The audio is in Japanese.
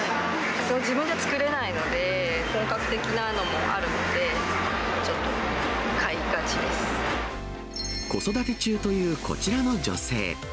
自分じゃ作れないので、本格的なのもあるので、ちょっと買いがち子育て中というこちらの女性。